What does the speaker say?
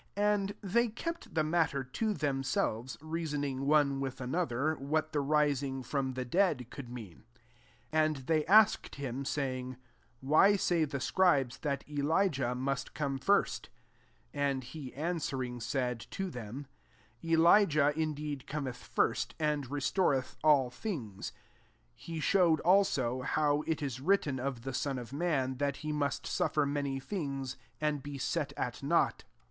10 And they kept the matter to themselves, reasoning one with another, what the rising from the dead could mean. 11 And thej asked him, saying, <' Why say the scribes that Elijah must first come?" 12 And he answering, said to them, " Elijah indeed cometh first, and restoreth all things :" he shewed also, how it is written of the Son of man, that he must suflfer many things, and be set at nought.